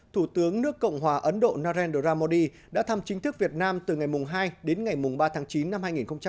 thủ tướng nước cộng hòa ấn độ narendra modi đã thăm chính thức việt nam từ ngày hai đến ngày ba tháng chín năm hai nghìn một mươi chín